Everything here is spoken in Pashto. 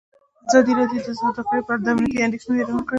ازادي راډیو د سوداګري په اړه د امنیتي اندېښنو یادونه کړې.